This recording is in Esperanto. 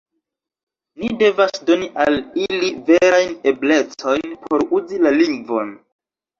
Ni devas doni al ili verajn eblecojn por uzi la lingvon.